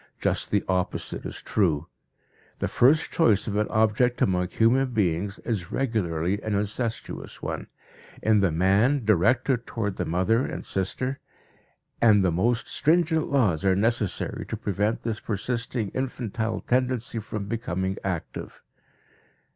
Just the opposite is true. The first choice of an object among human beings is regularly an incestuous one, in the man directed toward the mother and sister, and the most stringent laws are necessary to prevent this persisting infantile tendency from becoming active.